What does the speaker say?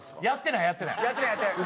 やってないやってない。